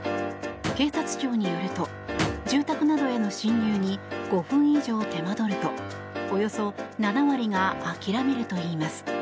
警察庁によると住宅などへの侵入に５分以上手間取るとおよそ７割が諦めるといいます。